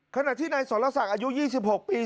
ขณะที่เอายู๒๖ปี